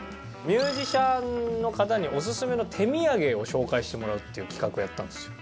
ミュージシャンの方におすすめの手土産を紹介してもらうっていう企画をやったんですよ。